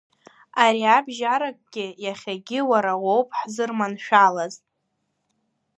Ариабжьаракгьы, иахьагьы уара уоуп ҳзырманшәалаз…